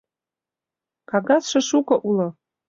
Кагазше шуко уло.